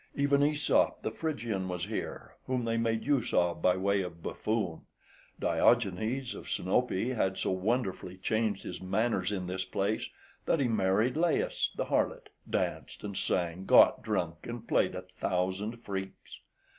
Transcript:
Even AEsop the Phrygian was here, whom they made use of by way of buffoon. Diogenes of Sinope had so wonderfully changed his manners in this place, that he married Lais the harlot, danced and sang, got drunk, and played a thousand freaks.